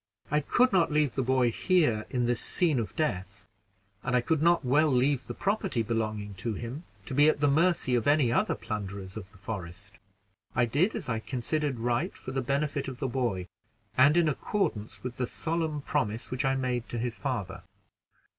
I could not leave the boy here in this scene of death, and I could not well leave the property belonging to him to be at the mercy of any other plunderers of the forest. I did as I considered right for the benefit of the boy, and in accordance with the solemn promise which I made to his father."